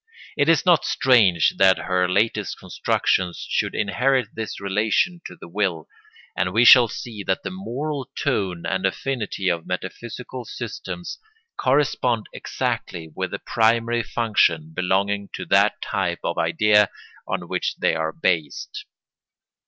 It is not strange that her latest constructions should inherit this relation to the will; and we shall see that the moral tone and affinity of metaphysical systems corresponds exactly with the primary function belonging to that type of idea on which they are based.